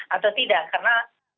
atau tidak karena